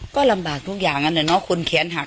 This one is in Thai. ก็ลำบากทุกอย่างอันนั้นเนอะคุณแขนหัก